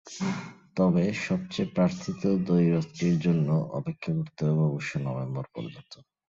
তবে সবচেয়ে প্রার্থিত দ্বৈরথটির জন্য অপেক্ষা করতে হবে অবশ্য নভেম্বর পর্যন্ত।